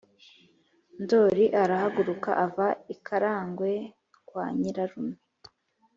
” ndoli arahaguruka ava i karagwe kwa nyirarume